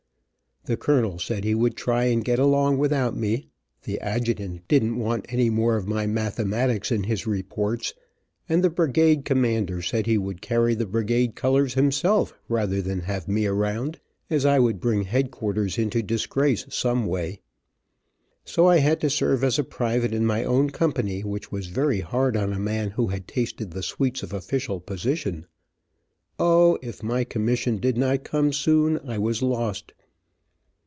The colonel said he would try and get along without me, the adjutant didn't want any more of my mathematics in his reports and the brigade commander said he would carry the brigade colors himself rather than have me around, as I would bring headquarters into disgrace some way. So I had to serve as a private in my own company, which was very hard on a man who had tasted the sweets of official position. O, if my commission did not come soon I was lost.